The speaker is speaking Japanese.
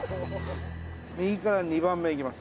右から２番目いきます。